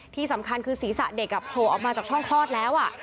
ที่สำคัญคือศีรษะเด็กโผล่ออกมาจากช่องคลอดแล้ว